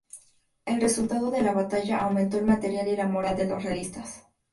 El resultado de la batalla aumentó el material y la moral de los realistas.